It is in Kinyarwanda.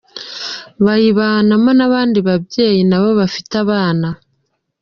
Bayibanamo n’abandi babyeyi nabo bafite abana.